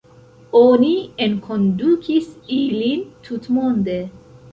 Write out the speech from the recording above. Oni enkondukis ilin tutmonde.